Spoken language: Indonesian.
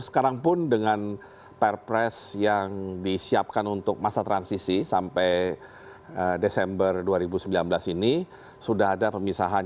sekarang pun dengan perpres yang disiapkan untuk masa transisi sampai desember dua ribu sembilan belas ini sudah ada pemisahan